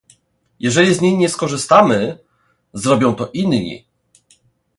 Jeżeli z niej nie skorzystamy, zrobią to inni